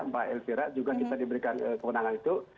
mbak elvira juga bisa diberikan kebenangan itu